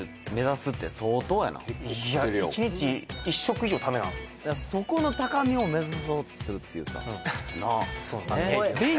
１日１食以上食べなそこの高みを目指そうとするっていうさなっ